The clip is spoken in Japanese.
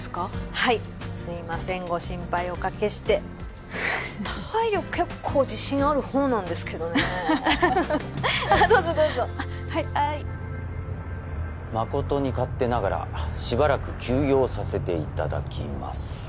はいすいませんご心配おかけして体力結構自信ある方なんですけどねフフフあっどうぞどうぞあっはい「誠に勝手ながらしばらく休業させて頂きます」